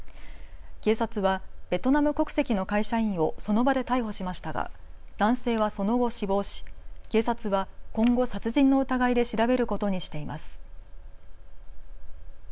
警察はベトナム国籍の会社員をその場で逮捕しましたが男性はその後、死亡し警察は今後、殺人の疑いで調べることにしています。